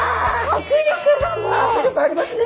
迫力ありますね。